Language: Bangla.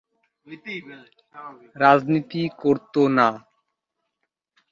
রাজনীতি করতো না।